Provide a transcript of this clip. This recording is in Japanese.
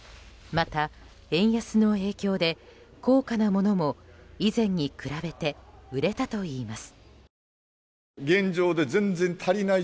また、円安の影響で高価なものも以前に比べて売れたといいます。